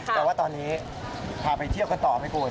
แต่ว่าตอนนี้พาไปเที่ยวกันต่อไหมคุณ